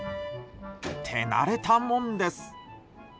手慣れたもんです。